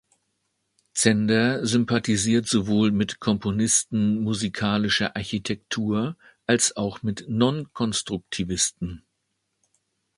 Zender sympathisiert sowohl mit Komponisten musikalischer „Architektur“ als auch mit Non-Konstruktivisten.